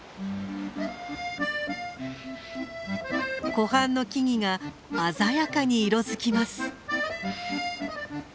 湖畔の木々が鮮やかに色づきます。